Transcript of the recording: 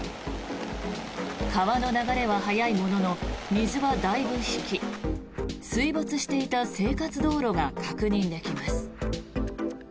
川の流れは速いものの水はだいぶ引き水没していた生活道路が確認できます。